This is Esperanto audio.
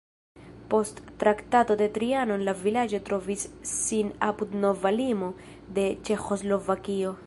Post Traktato de Trianon la vilaĝo trovis sin apud nova limo de Ĉeĥoslovakio.